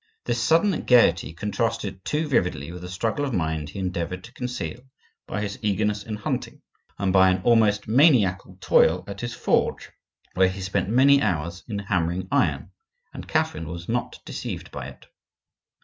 This sudden gaiety contrasted too vividly with the struggle of mind he endeavored to conceal by his eagerness in hunting, and by an almost maniacal toil at his forge, where he spent many hours in hammering iron; and Catherine was not deceived by it.